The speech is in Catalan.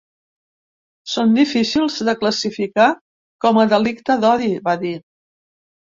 Són difícils de classificar com a delicte d’odi, va dir.